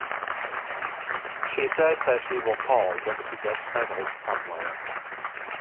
She says that she will call when she gets settled somewhere.